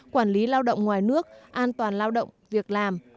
quản lý lao động ngoài nước an toàn lao động việc làm